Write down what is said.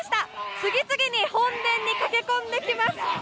次々に本殿に駆け込んできます。